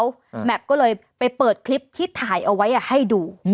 แมพก็เลยไปเปิดคลิปที่ถ่ายเอาไว้อ่ะให้ดูอืม